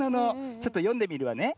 ちょっとよんでみるわね。